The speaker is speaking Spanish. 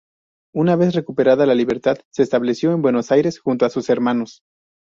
Una vez recuperada la libertad, se estableció en Buenos Aires junto a sus hermanos.